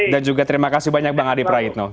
dan juga terima kasih banyak bang adi prajita